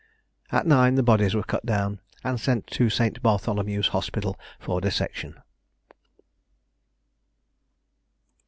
At nine the bodies were cut down, and sent to St. Bartholomew's Hospital for dissection.